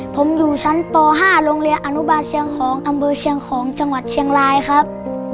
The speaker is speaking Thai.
ผมอยู่ชั้นป๕โรงเรียนอนุบาลเชียงของอำเภอเชียงของจังหวัดเชียงรายครับ